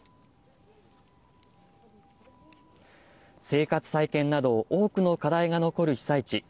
生活再建などを多くの課題が残る被災地。